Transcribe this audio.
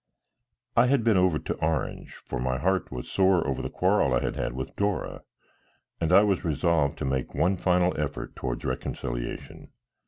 I had been over to Orange, for my heart was sore over the quarrel I had had with Dora, and I was resolved to make one final effort towards reconciliation.